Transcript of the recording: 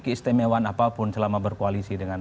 keistimewaan apapun selama berkoalisi